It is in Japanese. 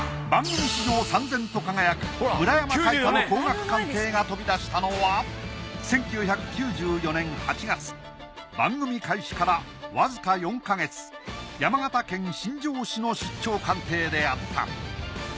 番組史上さん然と輝く村山槐多の高額鑑定が飛び出したのは１９９４年８月番組開始からわずか４か月山形県新庄市の出張鑑定であった。